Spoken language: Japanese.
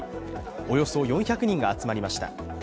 およそ４００人が集まりました。